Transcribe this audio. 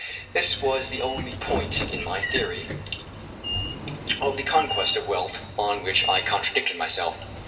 This was the only point in my theory of the conquest of wealth on which I contradicted myself.